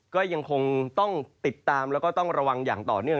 ก็ยังคงต้องติดตามแล้วก็ต้องระวังอย่างต่อเนื่อง